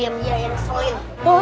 iya yang nyebelin